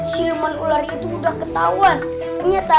silman ular itu udah ketahuan ternyata